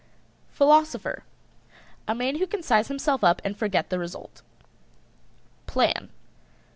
PHILOSOPHER. A man who can size himself up and forget the result. PLAN.